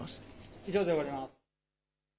以上で終わります。